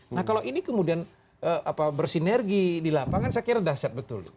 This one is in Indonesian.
nah kalau ini kemudian bersinergi di lapangan saya kira dahsyat betul